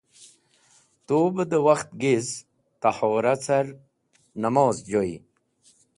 Tu be dẽ wakht giz, tahora car, namoz joy.